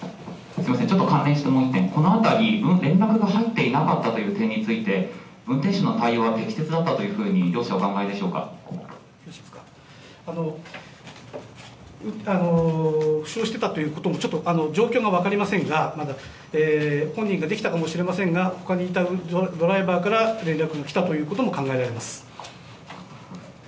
すみません、ちょっと関連したもので、このあたり、連絡が入っていなかったという点について、運転手の対応は適切だったというふうに、負傷していたということも、ちょっと状況が分かりませんが、まだ本人ができたかもしれませんが、ほかにいたドライバーから連絡が来たということも考えられます。